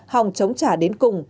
hòng chống trả đến cùng